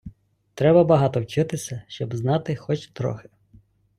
Треба багато вчитися, щоб знати хоч трохи